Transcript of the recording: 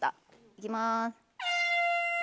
いきます。